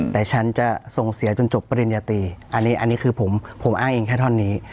แต่ฉันจะส่งเสียจนจบปริญญาตรีอันนี้คือผมอ้างเองแค่ท่อนนี้